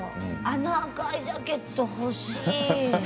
あの赤いジャケット欲しい。